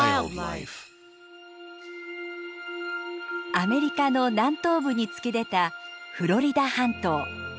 アメリカの南東部に突き出たフロリダ半島。